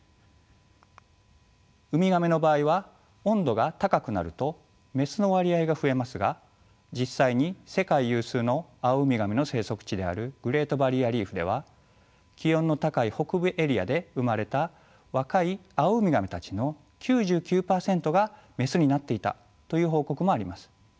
ウミガメの場合は温度が高くなるとメスの割合が増えますが実際に世界有数のアオウミガメの生息地であるグレートバリアリーフでは気温の高い北部エリアで生まれた若いアオウミガメたちの９９％がメスになっていたという報告もあります。